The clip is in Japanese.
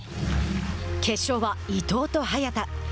決勝は伊藤と早田。